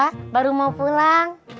kalau saya baru mau pulang